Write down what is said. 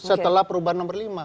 setelah perubahan nomor lima